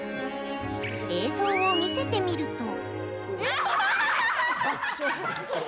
映像を見せてみると。